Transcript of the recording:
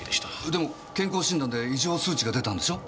でも健康診断で異常数値が出たんでしょう？